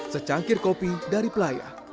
secangkir kopi dari pelaya